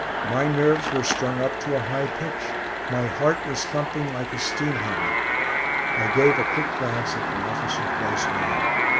My nerves were strung up to a high pitch; my heart was thumping like a steam hammer. I gave a quick glance at an officer close by.